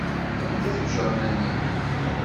Anda-t ujernan-iw?